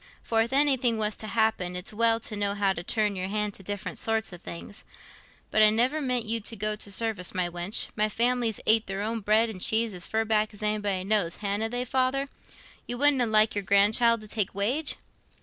For if anything was t' happen, it's well to know how to turn your hand to different sorts o' things. But I niver meant you to go to service, my wench; my family's ate their own bread and cheese as fur back as anybody knows, hanna they, Father? You wouldna like your grand child to take wage?"